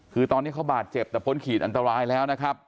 คือตอนนี้เขาบาดเจ็บแต่พ้นขีดอันตรายแล้วนะครับ